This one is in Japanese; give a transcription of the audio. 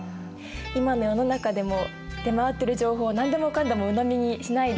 今の世の中でも出回ってる情報何でもかんでもうのみにしないで。